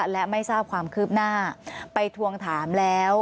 และไม่ทราบความคืบหน้าไปทวงถามแล้ว